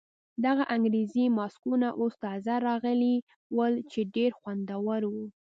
دغه انګریزي ماسکونه اوس تازه راغلي ول چې ډېر خوندور وو.